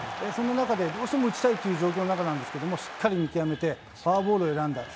そんな中でどうしても打ちたいという状況の中でしっかり見極めてフォアボールを選んだ。